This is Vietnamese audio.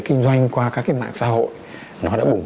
kinh doanh qua các nhà cung cấp cũng đã phục vụ người tiêu dùng